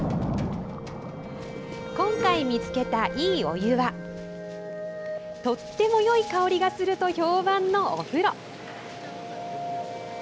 今回見つけた、いいお湯はとってもよい香りがすると評判のお風呂。